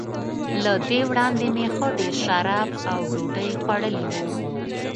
له دې وړاندي مې ښه ډېر شراب او ډوډۍ خوړلي وو.